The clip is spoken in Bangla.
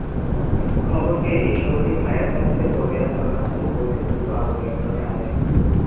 খবর পেয়ে ঈশ্বরদী ফায়ার সার্ভিসের কর্মীরা ঘটনাস্থলে পৌঁছে দ্রুত আগুন নিয়ন্ত্রণ আনেন।